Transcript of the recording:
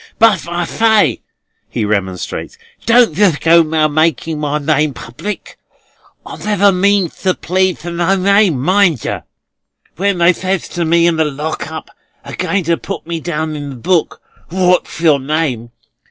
"But, I say," he remonstrates, "don't yer go a making my name public. I never means to plead to no name, mind yer. When they says to me in the Lock up, a going to put me down in the book, 'What's your name?